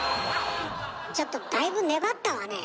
ちょっとだいぶ粘ったわねえ。